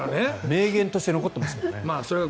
名言として残ってますが。